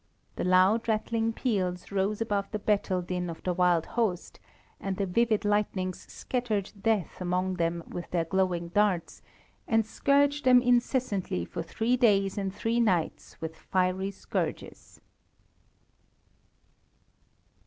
The loud, rattling peals rose above the battle din of the wild host, and the vivid lightnings scattered death among them with their glowing darts, and scourged them incessantly for three days and three nights with fiery scourges.